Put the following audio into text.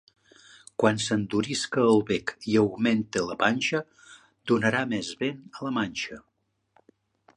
Quan s'endurisca el bec i augmente la panxa, donarà més vent la manxa.